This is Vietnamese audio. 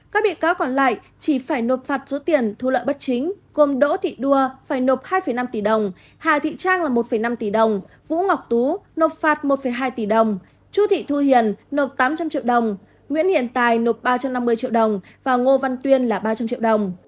các bị cáo còn lại chỉ phải nộp phạt số tiền thu lợi bất chính gồm đỗ thị đua phải nộp hai năm tỷ đồng hà thị trang là một năm tỷ đồng vũ ngọc tú nộp phạt một hai tỷ đồng chu thị thu hiền nộp tám trăm linh triệu đồng nguyễn hiện tài nộp ba trăm năm mươi triệu đồng và ngô văn tuyên là ba trăm linh triệu đồng